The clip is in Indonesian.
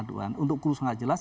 untuk kursus sangat jelas